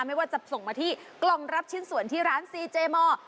ไม่ว่าจะส่งมาที่กล่องรับชิ้นส่วนที่ร้านซีเจมอร์